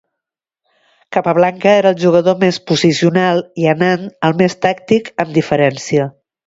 Capablanca era el jugador més posicional i Anand, el més tàctic amb diferència.